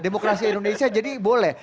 demokrasi indonesia jadi boleh